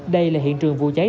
đây là hiện trường vụ cháy